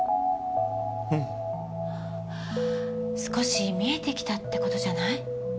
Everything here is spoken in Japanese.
うん少し見えてきたってことじゃない？